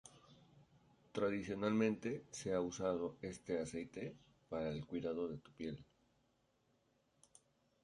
Tradicionalmente se ha usado este aceite para el cuidado de la piel.